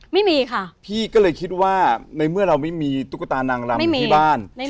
ไม่มีค่ะพี่ก็เลยคิดว่าในเมื่อเราไม่มีตุ๊กตานางรำที่บ้านไม่มีไม่มี